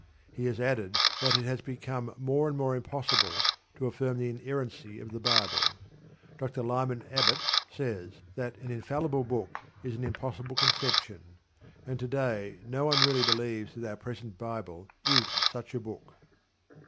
He has added that "it is become more and more impossible to affirm the inerrancy of the Bible." Dr. Lyman Abbott says that "an infallible book is an impossible conception, and to day no one really believes that our present Bible is such a book."